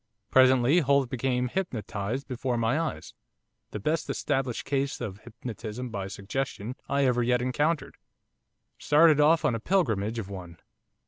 Presently Holt became hypnotised before my eyes, the best established case of hypnotism by suggestion I ever yet encountered started off on a pilgrimage of one.